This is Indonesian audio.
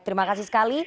terima kasih sekali